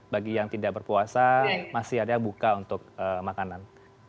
bagi yang tidak berpuasa masih ada yang buka untuk makanan